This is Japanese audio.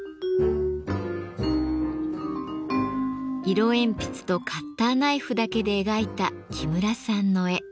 色鉛筆とカッターナイフだけで描いた木村さんの絵。